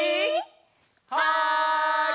はい！